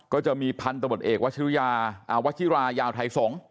ก็จะมีพันธุ์ตมตร์เอกวัชยาวัชยีรายาวไทยสงค์